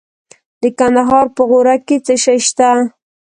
د کندهار په غورک کې څه شی شته؟